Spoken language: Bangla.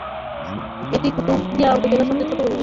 এটি কুতুবদিয়া উপজেলার সবচেয়ে ছোট ইউনিয়ন।